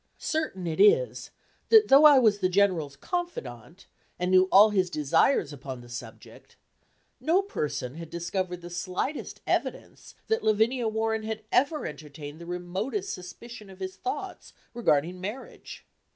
Certain it is, that though I was the General's confidant, and knew all his desires upon the subject, no person had discovered the slightest evidence that Lavinia Warren had ever entertained the remotest suspicion of his thoughts regarding marriage.